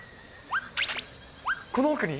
この奥に？